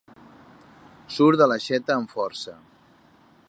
Surt de l'aixeta amb força.